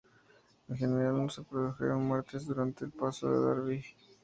En general, no se produjeron muertes durante el paso de Darby.